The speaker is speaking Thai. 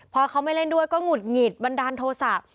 พอเขาไม่เล่นด้วยก็หงุดหงิดบันดาลโทษะ